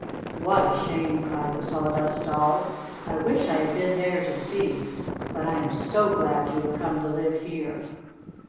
"What a shame!" cried the Sawdust Doll. "I wish I had been there to see. But I am so glad you have come to live here."